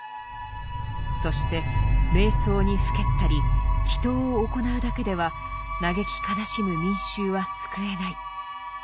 そして瞑想にふけったり祈祷を行うだけでは嘆き悲しむ民衆は救えない。